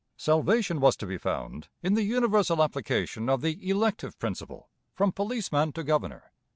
Salvation was to be found in the universal application of the elective principle, from policeman to governor.